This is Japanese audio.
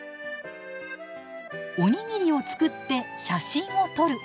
おにぎりを作って写真を撮る。